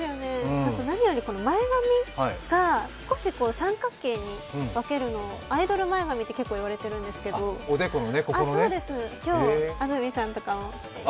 あと、何より前髪が少し三角形に分けるの、アイドル前髪って結構言われてるんですけど、今日、安住さんとかも意識されてます？